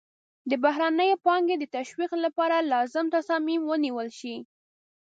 د بهرنۍ پانګې د تشویق لپاره لازم تصامیم ونیول شي.